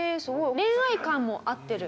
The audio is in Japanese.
恋愛観も合ってる。